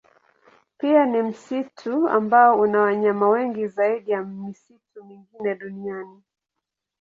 Pia ni msitu ambao una wanyama wengi zaidi ya misitu mingine duniani.